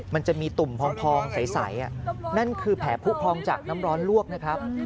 มันจะมีตุ่มพองใสนั่นคือแผลผู้พองจากน้ำร้อนลวกนะครับ